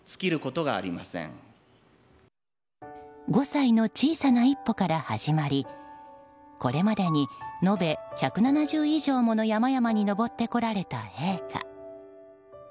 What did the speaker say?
５歳の小さな一歩から始まりこれまでに延べ１７０以上もの山々に登ってこられた陛下。